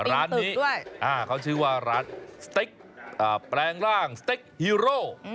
ร้านนี้เขาชื่อว่าร้านสเต็กแปลงร่างสเต็กฮีโร่